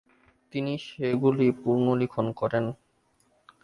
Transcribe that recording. তিনি সেগুলি পুনর্লিখন করেন।